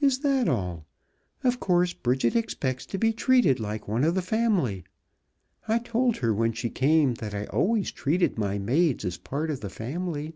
"Is that all! Of course Bridget expects to be treated like one of the family. I told her when she came that I always treated my maids as part of the family."